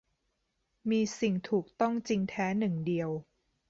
มีสิ่งถูกต้องจริงแท้หนึ่งเดียว